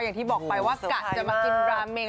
อย่างที่บอกไปว่ากะจะมากินราเมง